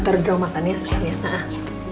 taro di ruang makan ya sekalian